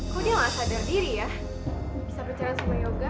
aku dia gak sadar diri ya bisa bicara sama yoga